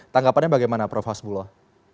tanggapannya bagaimana prof hasbuloh